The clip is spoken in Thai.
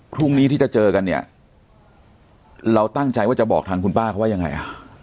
พรุ่งนี้ที่จะเจอกันเนี่ยเราตั้งใจว่าจะบอกทางคุณป้าเขาว่ายังไงอ่ะ